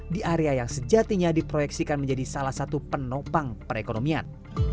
di area yang sejatinya diproyeksikan menjadi salah satu penopang perekonomian